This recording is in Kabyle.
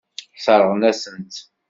Sseṛɣen-asent-tt.